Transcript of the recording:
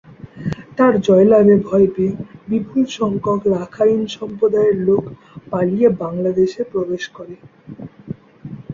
তার জয়লাভে ভয় পেয়ে বিপুল সংখ্যক রাখাইন সম্প্রদায়ের লোক পালিয়ে বাংলাদেশে প্রবেশ করে।